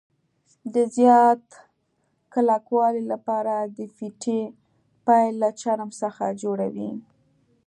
د زیات کلکوالي له پاره د فیتې پیل له چرم څخه جوړوي.